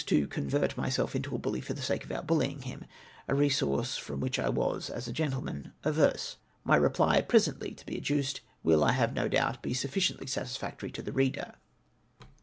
to convert myself into a bully for the sake of outbuUying him, a resource from which I was, as a gentleman, averse. My reply, presently to be adduced, wiU, I have no doubt, be sufficiently satisfactory to the reader.